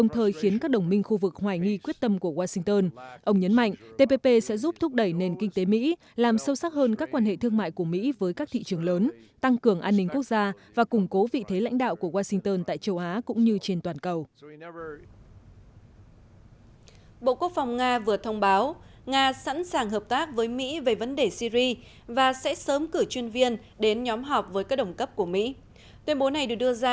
tuyên bố này được đưa ra sau cuộc ghiện đàm giữa ngoại trưởng nga và mỹ